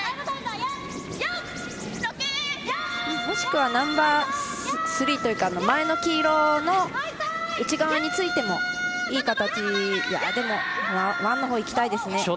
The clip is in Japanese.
もしくはナンバースリーというか前の黄色の内側についてもいい形でもワンのほういきたいですね。